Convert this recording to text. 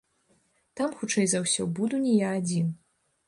Там, хутчэй за ўсё, буду не я адзін.